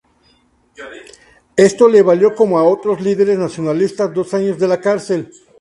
Esto le valió, como a otros líderes nacionalistas, dos años de cárcel.